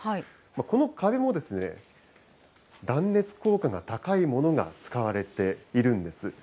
この壁も断熱効果が高いものが使われているんです。